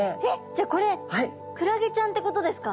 じゃあこれクラゲちゃんってことですか？